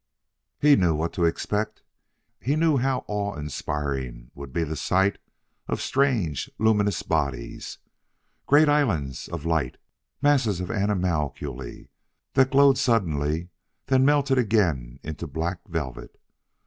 He knew what to expect; he knew how awe inspiring would be the sight of strange, luminous bodies great islands of light masses of animalculae that glowed suddenly, then melted again into velvet black.